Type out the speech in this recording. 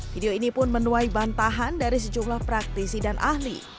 video ini pun menuai bantahan dari sejumlah praktisi dan ahli